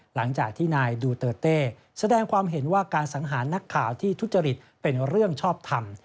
หลังจากที่นายดูเตอร์เต้แสดงความเห็นว่าการสังหารนักข่าวที่ทุจริตเป็นเรื่องชอบทำ